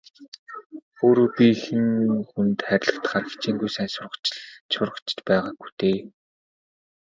Өөрөө би хэн хүнд хайрлагдахаар хичээнгүй сайн сурагч ч байгаагүй дээ.